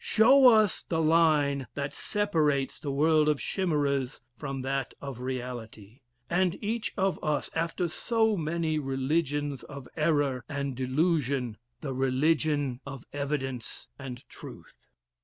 Show us the line that separates the world of chimeras from that of realities: and teach us, after so many religions of error and delusion, the religion of evidence and truth."